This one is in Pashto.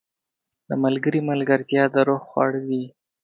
• د ملګري ملګرتیا د روح خواړه دي.